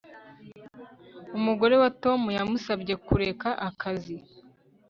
Umugore wa Tom yamusabye kureka akazi